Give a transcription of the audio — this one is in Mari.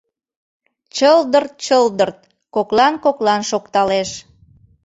Чылдырт-чылдырт коклан-коклан шокталеш.